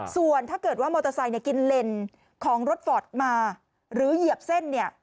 ส่วนถ้าเกิดว่ามอเตอร์ไซค์กินเลนของรถฟอร์ดมาหรือเหยียบเส้นเนี่ย